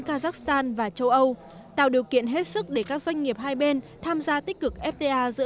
kazakhstan và châu âu tạo điều kiện hết sức để các doanh nghiệp hai bên tham gia tích cực fta giữa